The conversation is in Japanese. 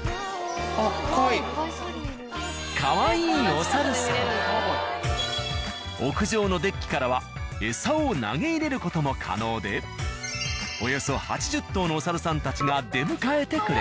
目の前には屋上のデッキからはエサを投げ入れる事も可能でおよそ８０頭のおさるさんたちが出迎えてくれる。